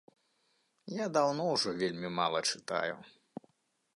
Я даўно ўжо вельмі мала чытаю.